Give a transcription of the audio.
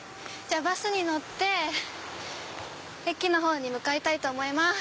じゃあバスに乗って駅のほうに向かいたいと思います。